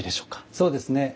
そうですね。